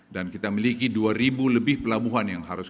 dan kita memiliki dua ribu lebih pelabuhan yang harus